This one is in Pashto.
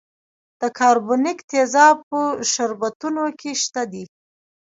د کاربونیک تیزاب په شربتونو کې شته دی.